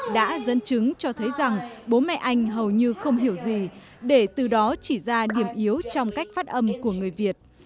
đã dẫn chứng cho thấy rằng bố mẹ anh hầu như không hiểu gì để từ đó chỉ ra điểm yếu trong cách phát âm của người việt